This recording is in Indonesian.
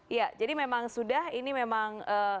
iya jadi memang sudah ini memang